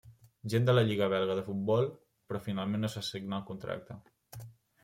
Gent de la Lliga belga de futbol, però finalment no se signà el contracte.